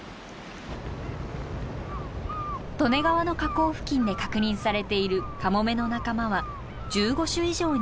利根川の河口付近で確認されているカモメの仲間は１５種以上に及びます。